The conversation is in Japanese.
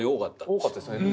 多かったですね。